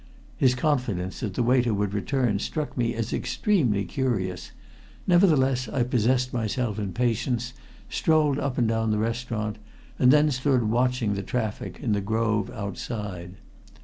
His confidence that the waiter would return struck me as extremely curious; nevertheless I possessed myself in patience, strolled up and down the restaurant, and then stood watching the traffic in the Grove outside.